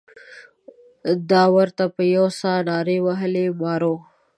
دای ورته په یوه ساه نارې وهي مارو.